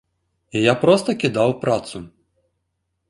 І я проста кідаў працу.